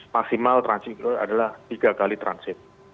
maksimal transit adalah tiga kali transit